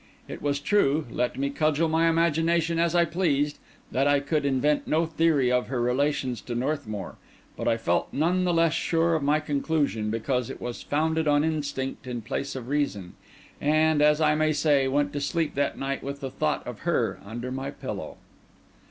It was true, let me cudgel my imagination as I pleased, that I could invent no theory of her relations to Northmour; but I felt none the less sure of my conclusion because it was founded on instinct in place of reason, and, as I may say, went to sleep that night with the thought of her under my pillow.